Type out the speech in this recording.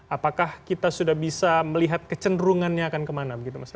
apakah kita sudah bisa melihat kecenderungannya akan kemana